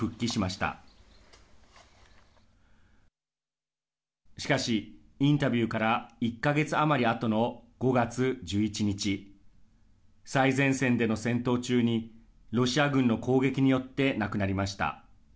しかし、インタビューから１か月余りあとの５月１１日最前線での戦闘中にロシア軍の攻撃によって亡くなりました。